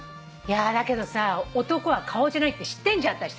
だけどさ男は顔じゃないって知ってんじゃん。